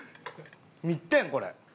見てこれ。